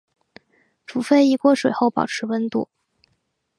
煮沸一锅水后保持温度。